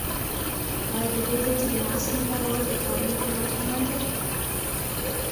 آیا پوهېږئ چې د ماسک نه کارول د قانون خلاف عمل دی؟